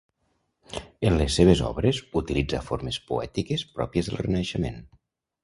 En les seves obres, utilitza formes poètiques pròpies del Renaixement.